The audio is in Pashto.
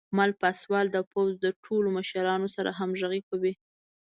مل پاسوال د پوځ د ټولو مشرانو سره همغږي کوي.